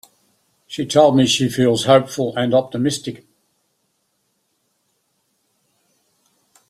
She told me she feels hopeful and optimistic.